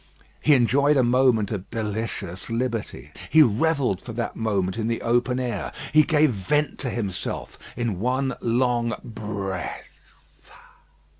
He enjoyed a moment of delicious liberty. He revelled for that moment in the open air. He gave vent to himself in one long breath.